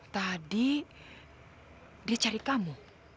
tadi dia cari kamu